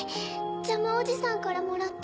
ジャムおじさんからもらった